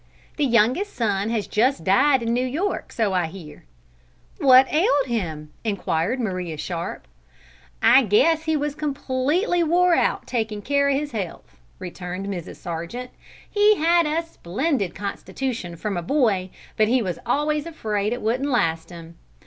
The youngest son has just died in New York, so I hear." "What ailed him?" inquired Maria Sharp. "I guess he was completely wore out takin' care of his health," returned Mrs. Sargent. "He had a splendid constitution from a boy, but he was always afraid it wouldn't last him.